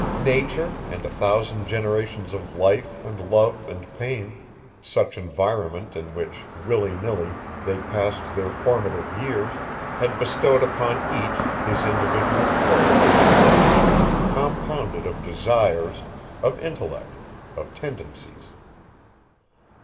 Nature, and a thousand generations of life and love and pain, such environment in which, willy nilly, they passed their formative years, had bestowed upon each his individual quota of character, compounded of desires, of intellect, of tendencies.